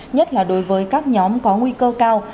nhất là đối với các nhóm có nguy cơ cao